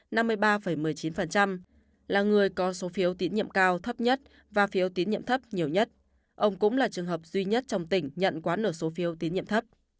ông lê duy thành là trường hợp cao thấp nhất và phiếu tín nhiệm thấp nhiều nhất ông cũng là trường hợp duy nhất trong tỉnh nhận quá nửa số phiếu tín nhiệm thấp